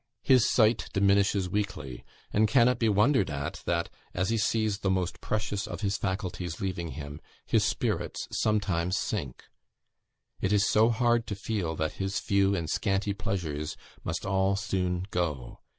His sight diminishes weekly; and can it be wondered at that, as he sees the most precious of his faculties leaving him, his spirits sometimes sink? It is so hard to feel that his few and scanty pleasures must all soon go.